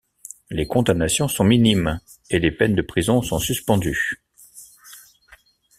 Les condamnations sont minimes et les peines de prison sont suspendues.